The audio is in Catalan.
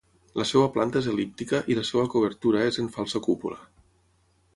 La seva planta és el·líptica i la seva cobertura és en falsa cúpula.